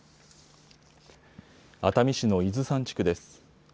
熱海市の伊豆山地区です。